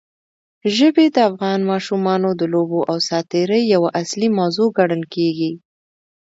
ژبې د افغان ماشومانو د لوبو او ساتېرۍ یوه اصلي موضوع ګڼل کېږي.